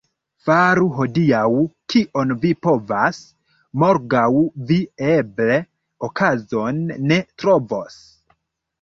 Faru hodiaŭ, kion vi povas, — morgaŭ vi eble okazon ne trovos.